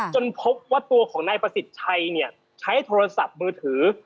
พบว่าตัวของนายประสิทธิ์ชัยเนี่ยใช้โทรศัพท์มือถือ